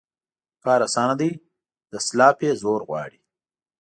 کار اسانه دى ، دسلاپ يې زور غواړي.